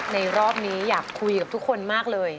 รอบนี้อยากคุยกับทุกคนมากเลย